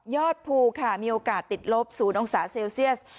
ภูค่ะมีโอกาสติดลบ๐องศาเซลเซียส